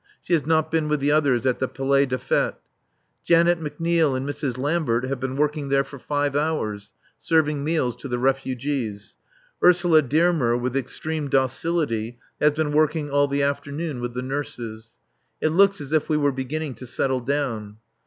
She has not been with the others at the Palais des Fêtes. Janet McNeil and Mrs. Lambert have been working there for five hours, serving meals to the refugees. Ursula Dearmer with extreme docility has been working all the afternoon with the nurses. It looks as if we were beginning to settle down.